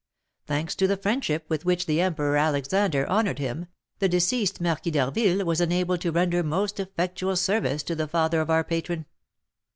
Thanks to the friendship with which the Emperor Alexander honoured him, the deceased Marquis d'Harville was enabled to render most effectual service to the father of our patron.